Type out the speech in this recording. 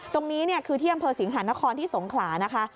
ตรงนี้คือที่อำเภอสิงหานครที่สงขลานะคะ